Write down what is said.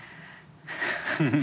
フフフフ。